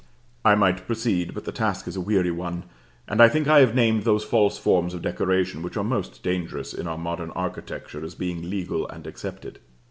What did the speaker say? I might proceed, but the task is a weary one, and I think I have named those false forms of decoration which are most dangerous in our modern architecture as being legal and accepted.